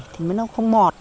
thì mới nó không mọt